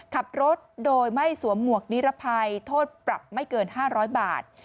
ขับรถโดยไม่สวมหมวกนิรภัยโทษปรับไม่เกิน๕๐๐บาท